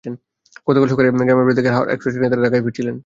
গতকাল সকালে গ্রামের বাড়ি থেকে হাওর এক্সপ্রেস ট্রেনে তাঁরা ঢাকায় ফিরছিলেন।